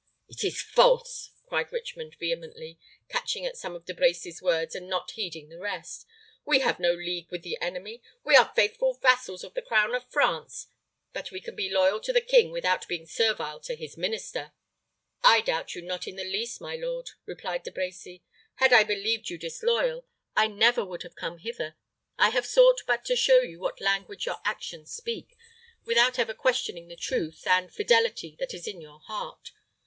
"It is false!" cried Richmond, vehemently, catching at some of De Brecy's words, and not heeding the rest. "We have no league with the enemy. We are faithful vassals of the crown of France; but we can be loyal to the king without being servile to his minister." "I doubt you not in the least, my lord," replied De Brecy. "Had I believed you disloyal, I never would have come hither. I have sought but to show you what language your actions speak, without ever questioning the truth and, fidelity that is in your heart.